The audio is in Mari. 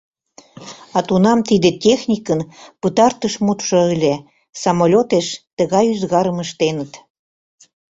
А тунам тиде техникын пытартыш мутшо ыле: самолётеш тыгай ӱзгарым ыштеныт.